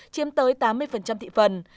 chiếm tới tám mươi thị phần